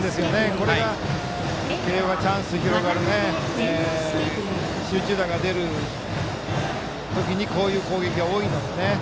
これが慶応がチャンスが広がる集中打が出る時にこういう攻撃が多いのでね。